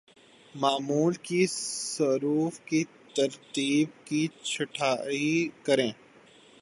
معمول کے حروف کی ترتیب کی چھٹائی کریں